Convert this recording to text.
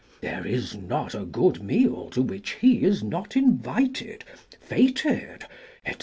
There is not a good meal to which he is not invited, feted, etc."